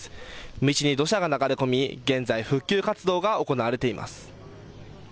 道に土砂が流れ込み現在、復旧活動が行われています。